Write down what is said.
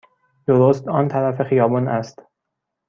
درست آن طرف خیابان است.